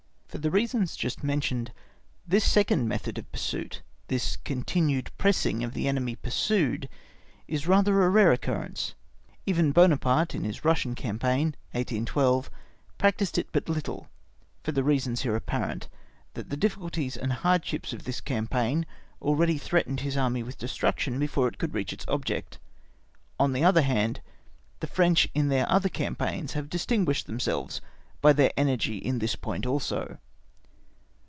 For the reasons just mentioned, this second method of pursuit, this continued pressing of the enemy pursued is rather a rare occurrence; even Buonaparte in his Russian campaign, 1812, practised it but little, for the reasons here apparent, that the difficulties and hardships of this campaign, already threatened his Army with destruction before it could reach its object; on the other hand, the French in their other campaigns have distinguished themselves by their energy in this point also.